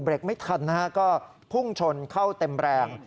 ไม่ทันนะฮะก็พุ่งชนเข้าเต็มแรง